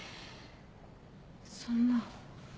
そんな。